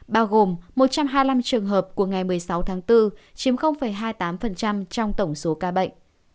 bao gồm một trăm hai mươi năm trường hợp của ngày một mươi sáu tháng bốn chiếm hai mươi tám trong tổng số ca bệnh